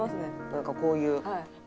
なんかこういう。